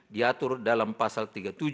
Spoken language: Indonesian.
diatur dalam pasal tiga puluh tujuh